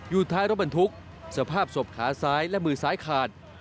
ท้ายรถบรรทุกสภาพศพขาซ้ายและมือซ้ายขาด